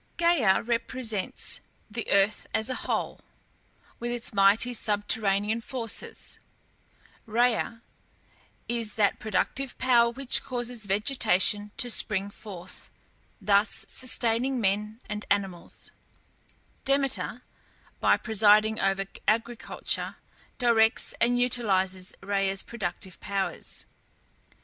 Gæa represents the earth as a whole, with its mighty subterranean forces; Rhea is that productive power which causes vegetation to spring forth, thus sustaining men and animals; Demeter, by presiding over agriculture, directs and utilizes Rhea's productive powers.